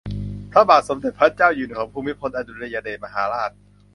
พระบาทสมเด็จพระเจ้าอยู่หัวภูมิพลอดุลยเดชมหาราช